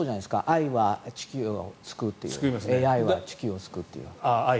愛は地球を救うってＡＩは地球を救うっていう。